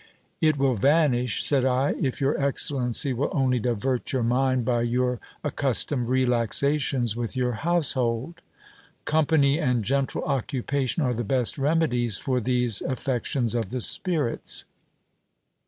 It will vanish, said I, if your excellency will only divert your mind by your accus tomed relaxations with your household. Company and gentle occupation are the best remedies for these affections of the spirits.